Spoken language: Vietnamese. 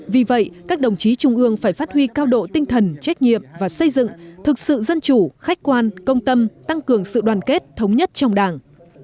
vì vậy các đồng chí trung ương phải phát huy cao độ tinh thần trách nhiệm và xây dựng thực sự dân chủ khách quan công tâm tăng cường sự đoàn kết thống nhất trong đảng